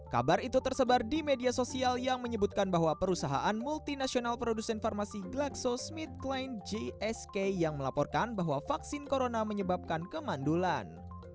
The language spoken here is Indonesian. kabar itu tersebar di media sosial yang menyebutkan bahwa perusahaan multinasional produsen farmasi glaxo smit plan gsk yang melaporkan bahwa vaksin corona menyebabkan kemandulan